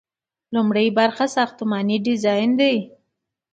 لومړی برخه ساختماني ډیزاین دی.